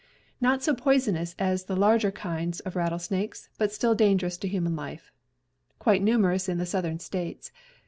Not so poisonous as the larger kinds of rattlesnakes, but still dangerous to human life. Quite numerous in the southern states.